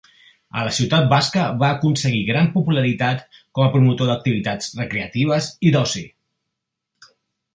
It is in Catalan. A la ciutat basca va aconseguir gran popularitat com a promotor d'activitats recreatives i d'oci.